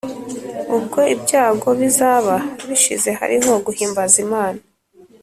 Ubwo ibyago bizaba bishize hariho guhimbaza Imana